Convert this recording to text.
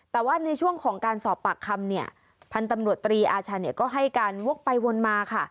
แต่ว่าในช่วงของการสอบปากคำผันตำรวจตรีอาชาก็ให้การวกไปวนมา